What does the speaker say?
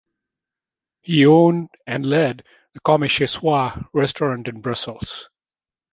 He owned and led the "Comme chez Soi" restaurant in Brussels.